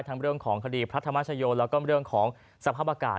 เรื่องของคดีพระธรรมชโยแล้วก็เรื่องของสภาพอากาศ